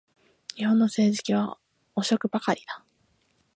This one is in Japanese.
日本の政治家は汚職ばかりだ